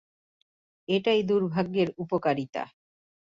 এটাই দুর্ভাগ্যের উপকারিতা।